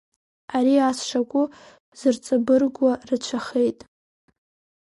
Ари ас шакәу зырҵабыргуа рацәахеит.